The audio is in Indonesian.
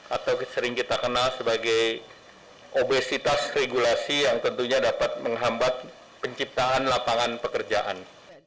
atau sering kita kenal sebagai obesitas regulasi yang tentunya dapat menghambat penciptaan lapangan pekerjaan